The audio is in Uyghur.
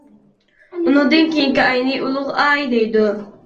ئۇنىڭدىن كېيىنكى ئاينى «ئۇلۇغ ئاي» دەيدۇ.